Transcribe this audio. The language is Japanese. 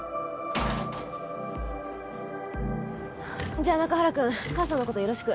じゃあ中原くん母さんの事よろしく。